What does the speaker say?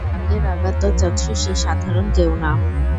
যাকে রাগাতে চাচ্ছ সে সাধারণ কেউ না।